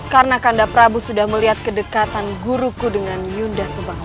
karena kandap rabu sudah melihat kedekatan guruku dengan yunda subanglar